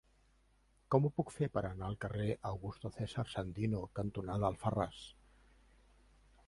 Com ho puc fer per anar al carrer Augusto César Sandino cantonada Alfarràs?